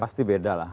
pasti beda lah